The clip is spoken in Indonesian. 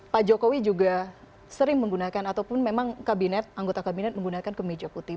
pak jokowi juga sering menggunakan ataupun memang kabinet anggota kabinet menggunakan kemeja putih